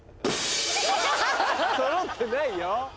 そろってないよ。